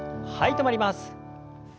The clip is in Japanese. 止まります。